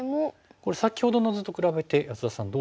これ先ほどの図と比べて安田さんどうですか？